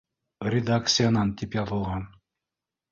— Редакциянан, тип яҙылған